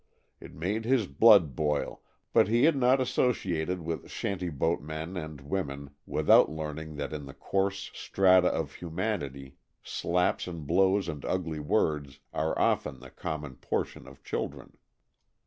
It made his blood boil, but he had not associated with shanty boat men and women without learning that in the coarser strata of humanity slaps and blows and ugly words are often the common portion of children.